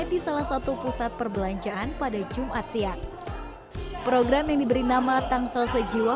di salah satu pusat perbelanjaan pada jumat siang program yang diberi nama tangsel sejiwa